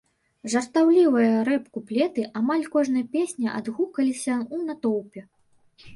Жартаўлівыя рэп-куплеты амаль кожнай песні адгукаліся ў натоўпе.